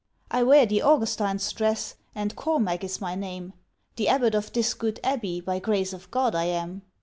'I wear the Augustine's dress, and Cormac is my name, The Abbot of this good Abbey by grace of God I am.